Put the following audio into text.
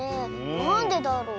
なんでだろう？